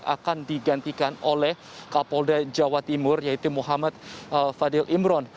akan digantikan oleh kapolda jawa timur yaitu muhammad fadil imron